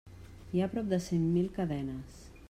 Hi ha prop de cent mil cadenes.